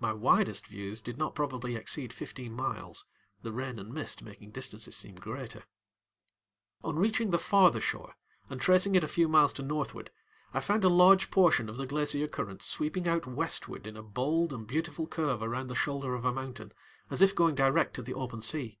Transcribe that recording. My widest views did not probably exceed fifteen miles, the rain and mist making distances seem greater. On reaching the farther shore and tracing it a few miles to northward, I found a large portion of the glacier current sweeping out westward in a bold and beautiful curve around the shoulder of a mountain as if going direct to the open sea.